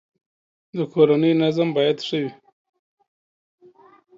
د کورنی نظم باید ښه وی